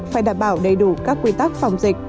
phải đảm bảo đầy đủ các quy tắc phòng dịch